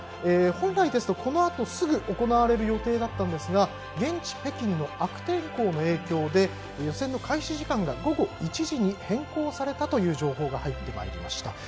本来ですと、このあとすぐ行われる予定だったんですが現地・北京の悪天候の影響で予選の開始時間が午後１時に変更されたという情報が入ってまいりました。